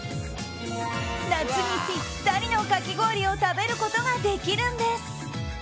夏にピッタリのかき氷を食べることができるんです。